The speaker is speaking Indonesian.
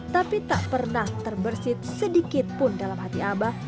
tapi tak pernah terbersih sedikit pun dalam hati abah